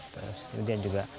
terus kemudian juga